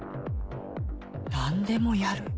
「何でもやる」？